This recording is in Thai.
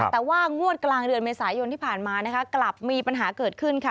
แต่ว่างวดกลางเดือนเมษายนที่ผ่านมานะคะกลับมีปัญหาเกิดขึ้นค่ะ